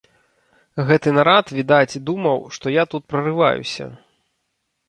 Гэты нарад, відаць, думаў, што я тут прарываюся.